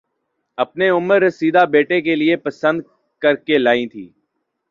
اپنے عمر رسیدہ بیٹے کےلیے پسند کرکے لائی تھیں